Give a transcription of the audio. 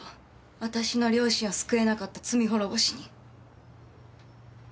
私の両親を救えなかった罪滅ぼしに。